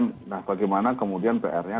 nah bagaimana kemudian pr nya